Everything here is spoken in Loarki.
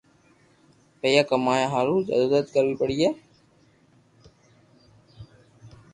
پييا ڪمايا ھارو جدوجد ڪروي پڙي